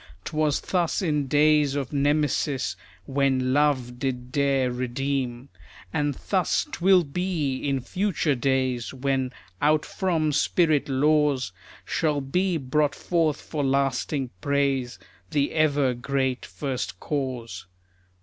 'Twas thus in days of Nemesis, When Love did dare redeem. And thus 'twill be in future days, When out from spirit laws, Shall be brought forth for lasting praise The ever great First Cause.